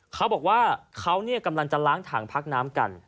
เขาบอกว่าเขากำลังจะล้างถังพักน้ำกัน